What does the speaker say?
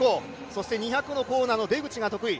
そして２００のコーナーの出口が得意。